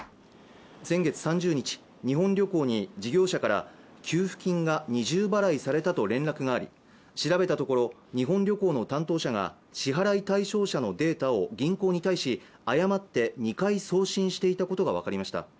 先月３０日日本旅行に事業者から給付金が二重払いされたと連絡があり調べたところ日本旅行の担当者が支払い対象者のデータを銀行に対し誤って２回送信していたことが分かりました